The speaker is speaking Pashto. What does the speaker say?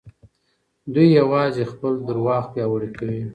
دوی يوازې خپل دروغ پياوړي کوي.